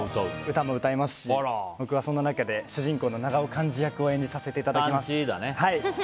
歌も歌いますし、僕はその中で主人公の永尾完治役を演じさせていただきます。